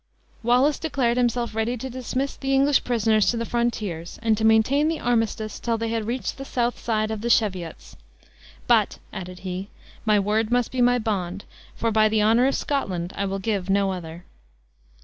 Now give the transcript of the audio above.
Wallace declared himself ready to dismiss the English prisoners to the frontiers, and to maintain the armistice till they had reached the south side of the Cheviots. "But," added he, "my word must be my bond, for by the honor of Scotland I will give no other."